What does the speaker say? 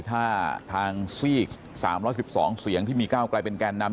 ถ้าทางซีก๓๑๒เสียงที่มีก้าวไกลเป็นแกนนำ